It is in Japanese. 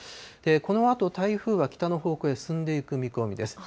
このあと台風は北の方向へ進んでいく見込みです。